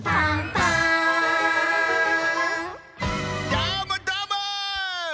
どーもどーも！